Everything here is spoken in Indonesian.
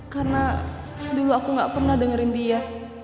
karena dulu aku gak pernah dengerin dia